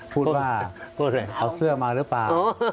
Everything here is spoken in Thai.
พูดว่าเอาเสื้อมาหรือเปล่า